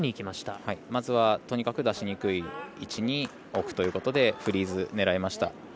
まずは、とにかく出しにくい位置に置くということでフリーズ、狙いました。